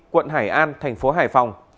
quận hải an thành phố hải phòng